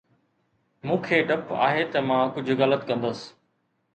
مون کي ڊپ آهي ته مان ڪجهه غلط ڪندس